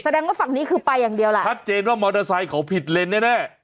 ว่าฝั่งนี้คือไปอย่างเดียวแหละชัดเจนว่ามอเตอร์ไซค์เขาผิดเลนแน่